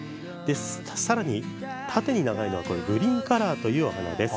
さらに、縦に長いのがグリーンカラーというお花です。